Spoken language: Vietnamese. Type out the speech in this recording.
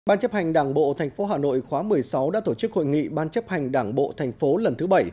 ban chấp hành đảng bộ tp hà nội khóa một mươi sáu đã tổ chức hội nghị ban chấp hành đảng bộ thành phố lần thứ bảy